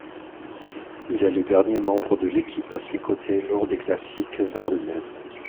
Il est le dernier membre de l'équipe à ses côtés lors des classiques ardennaises.